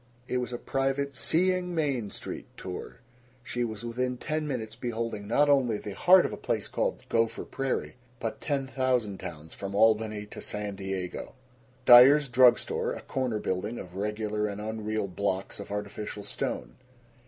It was a private Seeing Main Street tour. She was within ten minutes beholding not only the heart of a place called Gopher Prairie, but ten thousand towns from Albany to San Diego: Dyer's Drug Store, a corner building of regular and unreal blocks of artificial stone.